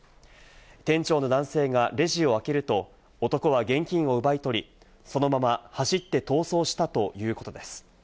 店長の男性がレジを開けると、男は現金を奪い取り、そのまま走って逃走したということです。